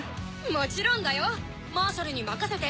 もちろんだよマーシャルに任せて。